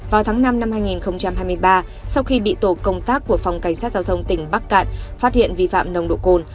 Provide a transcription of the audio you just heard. vào tháng năm năm hai nghìn hai mươi ba sau khi bị tổ công tác của phòng cảnh sát giao thông tỉnh bắc cạn phát hiện vi phạm nồng độ cồn